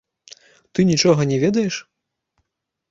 Ты нічога не ведаеш?